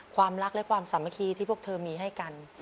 ความรักและความสามัคคีที่พวกเธอมีให้กัน